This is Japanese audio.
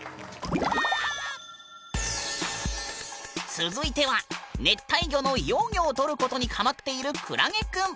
続いては熱帯魚の幼魚を撮ることにハマっているくらげくん。